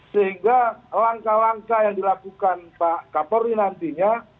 sehingga langkah langkah yang dilakukan pak kapolri nantinya